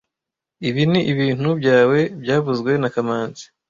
Ibi ni ibintu byawe byavuzwe na kamanzi